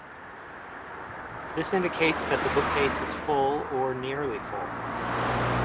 This indicates that the bookcase is full or nearly full.